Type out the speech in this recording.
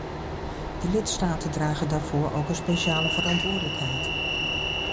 De lidstaten dragen daarvoor ook een speciale verantwoordelijkheid.